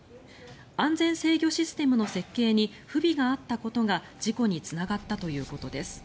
安全制御システムの設計に不備があったことが事故につながったということです。